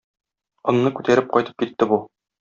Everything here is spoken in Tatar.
Онны күтәреп кайтып китте бу.